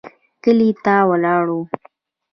کلي ته ولاړو.